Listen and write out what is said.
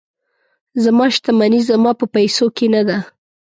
زما شتمني زما په پیسو کې نه ده.